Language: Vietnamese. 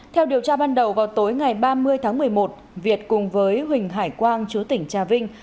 theo điều tra ban đầu vào tối ngày ba mươi tháng một mươi một việt cùng với huỳnh hải quang chứa tỉnh trà vinh